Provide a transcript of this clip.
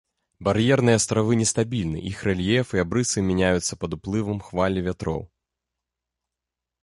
Бар'ерныя астравы не стабільны, іх рэльеф і абрысы мяняюцца пад уплывам хваль і вятроў.